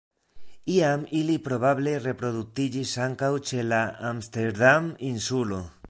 Iam ili probable reproduktiĝis ankaŭ ĉe la Amsterdam-Insulo.